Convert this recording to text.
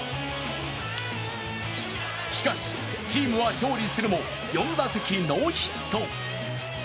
しかし、チームは勝利するも４打席ノーヒット。